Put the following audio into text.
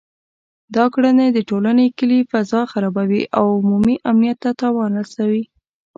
دا کړنې د ټولنې کلي فضا خرابوي او عمومي امنیت ته تاوان رسوي